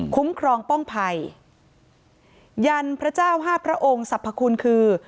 คุ้มครองป้องภัยยันพระเจ้าห้าพระองค์สรรพคุณคือ